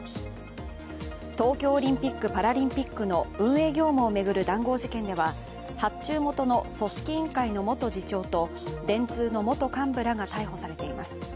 東京オリンピック・パラリンピックの運営業務を巡る談合事件では発注元の組織委員会の元次長と電通の元幹部らが逮捕されています。